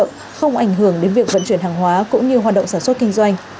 không ảnh hưởng đến việc vận chuyển hàng hóa cũng như hoạt động sản xuất kinh doanh